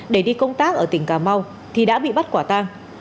để đi công tác ở tỉnh cà mau thì đã bị bắt quả tang